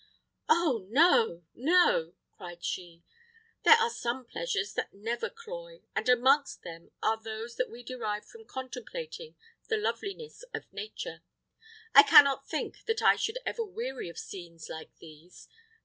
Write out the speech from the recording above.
"Oh, no, no!" cried she; "there are some pleasures that never cloy, and amongst them are those that we derive from contemplating the loveliness of nature. I cannot think that I should ever weary of scenes like these.